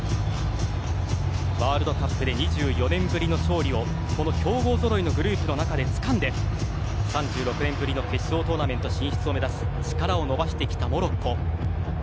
ワールドカップで２４年ぶりの勝利をこの強豪ぞろいのグループの中でつかんで３６年ぶりの決勝トーナメント進出を目指す力を伸ばしてきたモロッコ。